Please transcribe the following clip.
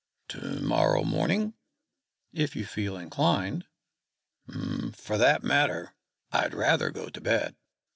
"To morrow morning?" "If you feel inclined." "For that matter, I'd rather go to bed."